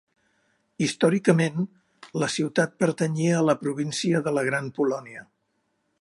Històricament, la ciutat pertanyia a la província de la Gran Polònia.